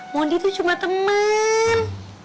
mondi tuh cuma temen